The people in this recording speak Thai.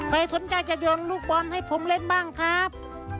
ใครสนใจจะโยนลูกบอลให้ผมเล่นบ้างครับ